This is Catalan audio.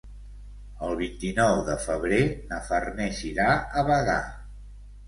El vint-i-nou de febrer na Farners irà a Bagà.